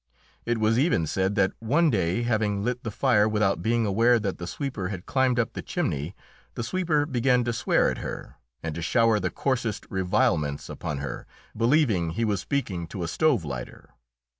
It was even said that one day, having lit the fire without being aware that the sweeper had climbed up the chimney, the sweeper began to swear at her, and to shower the coarsest revilements upon her, believing he was speaking to a stove lighter.